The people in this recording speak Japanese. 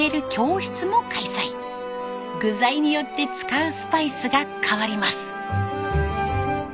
具材によって使うスパイスが変わります。